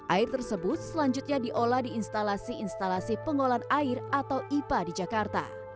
air tersebut selanjutnya diolah di instalasi instalasi pengolahan air atau ipa di jakarta